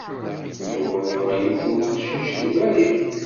Yuba yuɣ yiwet n teqcict tugar-it.